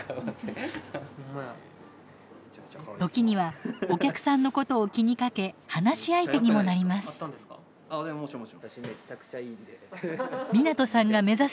時にはお客さんのことを気にかけ話し相手にもなります。